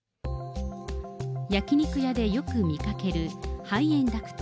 焼き肉屋でよく見かける排煙ダクト。